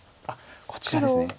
あっこちらです。